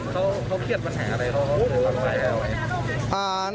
เขาเครียดปัญหาอะไรแล้วเขาเป็นปัญหาอะไร